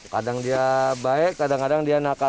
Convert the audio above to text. kadang dia baik kadang kadang dia nakal